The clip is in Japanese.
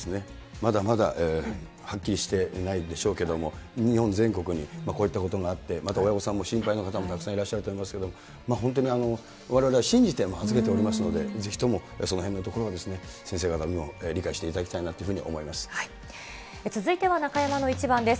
まだまだはっきりしていないんでしょうけど、日本全国にこういったことがあって、また親御さんも心配な方もたくさんいらっしゃると思うんですけど、本当にわれわれは信じて預けておりますので、ぜひともそのへんのところを先生方にも理解していただきたいなと続いては中山のイチバンです。